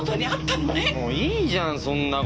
もういいじゃんそんな事。